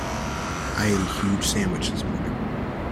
I ate a huge sandwich this morning.